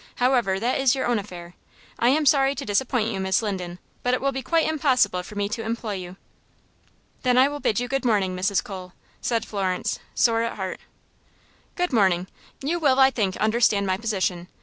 However, that is your own affair. I am sorry to disappoint you, Miss Linden, but it will be quite impossible for me to employ you." "Then I will bid you good morning, Mrs. Cole," said Florence, sore at heart. "Good morning. You will, I think, understand my position.